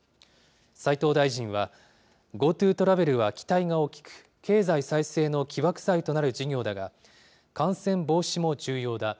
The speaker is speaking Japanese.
斉藤大臣は、ＧｏＴｏトラベルは期待が大きく、経済再生の起爆剤となる事業だが、感染防止も重要だ。